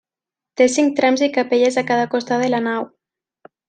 Té cinc trams i capelles a cada costat de la nau.